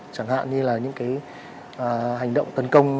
chẳng hạn như là những cái hành động tấn công